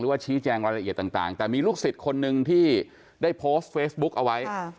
ว่าชี้แจงรายละเอียดต่างแต่มีลูกศิษย์คนหนึ่งที่ได้โพสต์เฟซบุ๊กเอาไว้